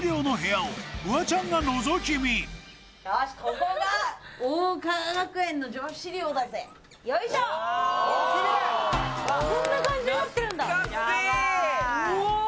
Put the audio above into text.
こんな感じになってるんだ懐かしい！